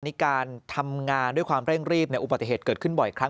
นี่การทำงานด้วยความเร่งรีบในอุบัติเหตุเกิดขึ้นบ่อยครั้ง